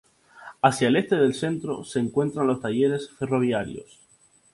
Hacia el este del centro se encuentran los talleres ferroviarios.